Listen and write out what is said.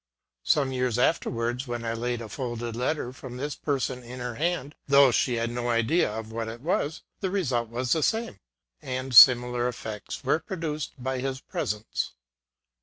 Some years after wards, when I laid a folded letter from this person in her hand, though she had no idea what it was, the result was the same ; and similar effects were pro duced by his presence.